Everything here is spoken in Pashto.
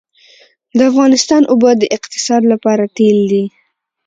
د افغانستان اوبه د اقتصاد لپاره تیل دي